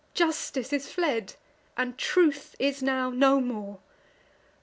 Justice is fled, and Truth is now no more!